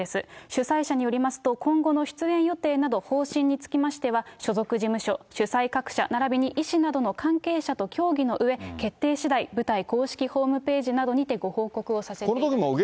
主催者によりますと、今後の出演予定など方針につきましては、所属事務所、主催各社ならびに医師などの関係者と協議の上、決定しだい、舞台公式ホームページなどにてご報告をさせていただきます。